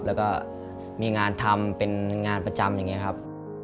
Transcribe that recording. แล้วก็มีงานทำเป็นงานประจำอย่างนี้ครับ